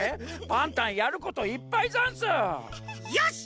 パンタンやることいっぱいざんす！よし！